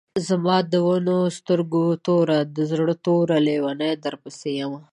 زما د دواڼو سترګو توره، د زړۀ ټوره لېونۍ درپسې يمه